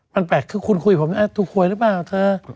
มันแปลกคือคุณคุยกับผมถูกหวยหรือเปล่าเธอ